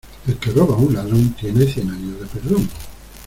El que roba a un ladrón tiene cien años de perdón.